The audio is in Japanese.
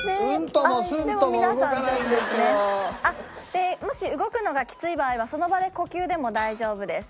でもし動くのがきつい場合はその場で呼吸でも大丈夫です。